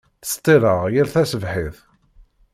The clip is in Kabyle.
Tṣeṭṭileɣ yal taṣebḥit.